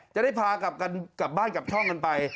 จะได้พากันกลับบ้านกลับช่องกันไป